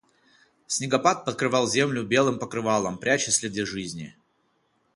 Снегопад покрывал землю белым покрывалом, пряча следы жизни.